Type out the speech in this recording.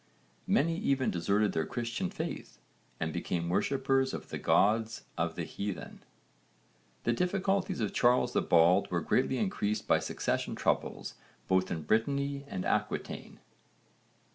Many even deserted their Christian faith and became worshippers of the gods of the heathen. The difficulties of Charles the Bald were greatly increased by succession troubles both in Brittany and Aquitaine.